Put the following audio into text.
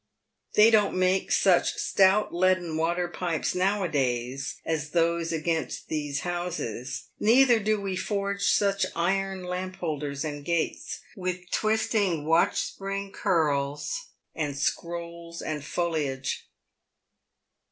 They don't make such stout leaden water pipes now a days as those against these houses, neither do we PAVED WITH GOLD. 141 forge such iron lamp holders and gates, with twisting watch spring curls, and scrolls and foliage.